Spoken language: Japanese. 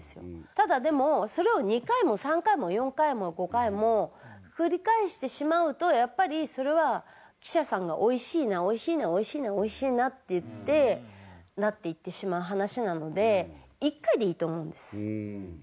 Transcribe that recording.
ただでもそれを２回も３回も４回も５回も繰り返してしまうとやっぱりそれは記者さんが「おいしいなおいしいなおいしいな」っていってなっていってしまう話なので。